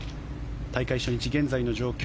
大会初日、現在の状況。